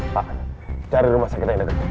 jangan pernah sakit lagi